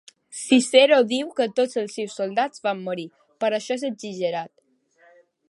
Ciceró diu que tots els seus soldats van morir, però això és exagerat.